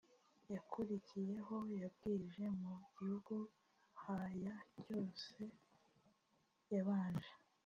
yakurikiyeho yabwirije mu gihugu ha ya cyose yabanje